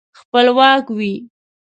خپلواک وي.